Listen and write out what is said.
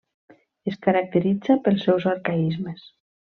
Es caracteritza pels seus arcaismes.